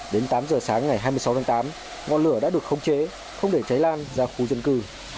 đến tám giờ sáng ngày hai mươi sáu tháng tám ngọn lửa đã được khống chế không để cháy lan ra khu dân cư